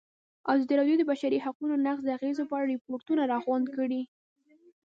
ازادي راډیو د د بشري حقونو نقض د اغېزو په اړه ریپوټونه راغونډ کړي.